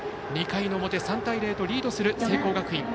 ２回の表、３対０とリードする聖光学院。